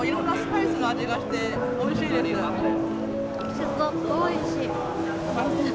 すごくおいしい。